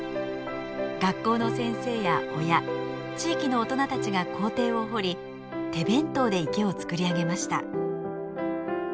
学校の先生や親地域の大人たちが校庭を掘り手弁当で池を造り上げました。